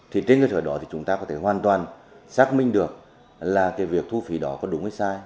thì trên cơ sở đó thì chúng ta có thể hoàn toàn xác minh được là cái việc thu phí đó có đúng hay sai